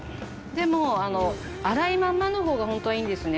でも粗いまんまのほうがホントはいいんですね。